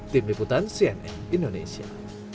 tim liputan cnn indonesia